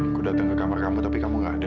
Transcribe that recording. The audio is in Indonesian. aku datang ke kamar kamu tapi kamu gak ada